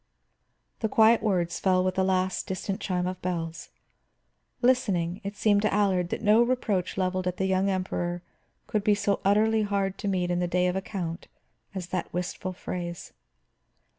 The quiet words fell with the last distant chime of bells. Listening, it seemed to Allard that no reproach leveled at the young Emperor could be so utterly hard to meet in the day of account as that wistful phrase.